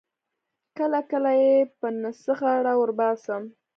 کله کله یې په نه څه غاړه ور وباسم.